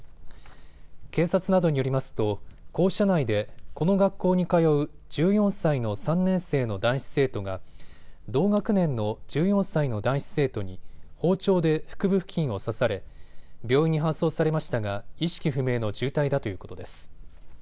警察などによりますと校舎内でこの学校に通う１４歳の３年生の男子生徒が同学年の１４歳の男子生徒に包丁で腹部付近を刺され病院に搬送されましたが意識不明の重体だということです。